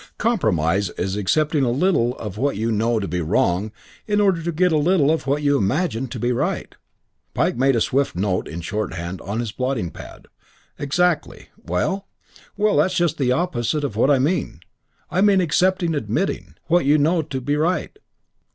Compromise is accepting a little of what you know to be wrong in order to get a little of what you imagine to be right." Pike made a swift note in shorthand on his blotting pad. "Exactly. Well?" "Well, that's just the opposite to what I mean. I mean accepting, admitting, what you know to be right."